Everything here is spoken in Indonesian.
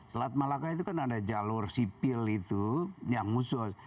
selat malaka itu kan ada jalur sipil itu yang khusus